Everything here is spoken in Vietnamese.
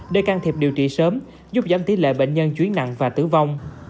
để can thiệp điều trị sớm giúp giảm tỷ lệ bệnh nhân chuyển nặng và tử vong